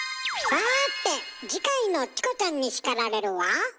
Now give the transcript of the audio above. さて次回の「チコちゃんに叱られる！」は。